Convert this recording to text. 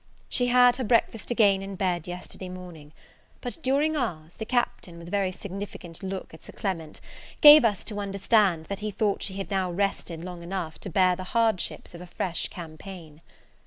She had her breakfast again in bed yesterday morning: but during ours, the Captain, with a very significant look at Sir Clement, gave us to understand, that he thought she had now rested long enough to bear the hardships of a fresh campaign.